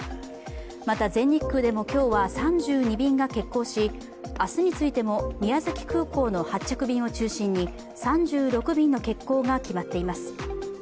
また、全日空でも今日は３２便が欠航し、明日についても宮崎空港の発着便を中心に３６便の欠航が決まっています。